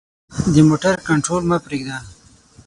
د موټر کنټرول مه پریږده.